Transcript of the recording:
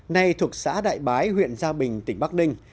nay thuộc xã đại bái huyện gia bình tỉnh bắc ninh